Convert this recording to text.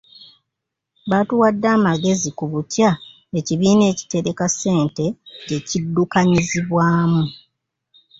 Baatuwadde amagezi ku butya ekibiina ekitereka ssente gye kiddukanyizibwamu.